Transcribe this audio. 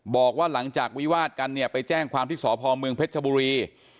บอกว่าหลังจากวิวาดกันเนี่ยไปแจ้งความที่สพเมืองเพชรชบุรี